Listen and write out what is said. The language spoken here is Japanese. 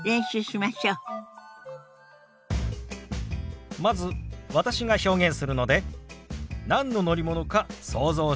まず私が表現するので何の乗り物か想像してください。